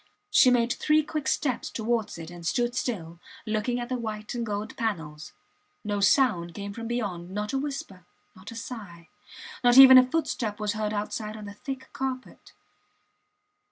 She made three quick steps towards it and stood still, looking at the white and gold panels. No sound came from beyond, not a whisper, not a sigh; not even a footstep was heard outside on the thick carpet.